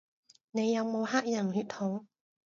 你有冇黑人血統